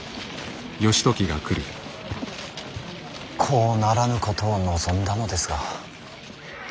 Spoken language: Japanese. こうならぬことを望んだのですが。